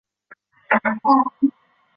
他是第十一任登丹人酋长。